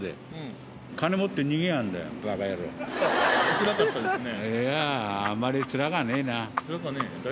つらかったですね。